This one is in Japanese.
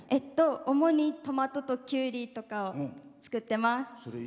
主にトマトときゅうりとかを作ってます。